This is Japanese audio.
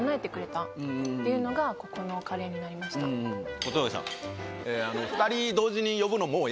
小峠さん。